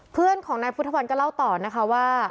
เพื่อนของนายพุทธวันก็เล่าต่อนะคะว่า